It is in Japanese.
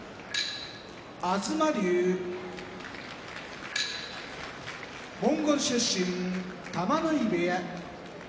東龍モンゴル出身玉ノ井部屋